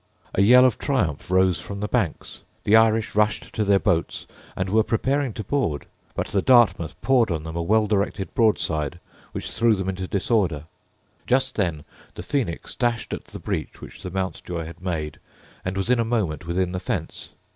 A yell of triumph rose from the banks: the Irish rushed to their boats, and were preparing to board; but the Dartmouth poured on them a well directed broadside, which threw them into disorder. Just then the Phoenix dashed at the breach which the Mountjoy had made, and was in a moment within the fence.